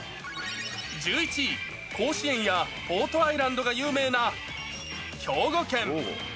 １１位、甲子園やポートアイランドが有名な兵庫県。